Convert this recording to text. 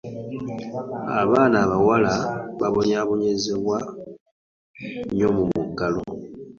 Abaana abawala babonyeebonye nnyo mu muggalo.